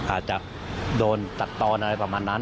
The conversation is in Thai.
อาจจะโดนตัดตอนอะไรประมาณนั้น